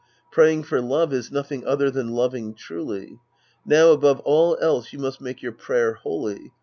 Praying for love is nothing other than loving truly. Now above all else, you must make your prayer holy.